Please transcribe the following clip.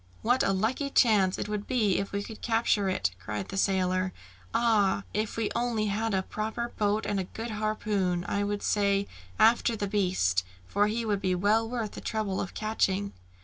"What a lucky chance it would be if we could capture it!" cried the sailor. "Ah, if we only had a proper boat and a good harpoon, I would say, 'After the beast,' for he would be well worth the trouble of catching!"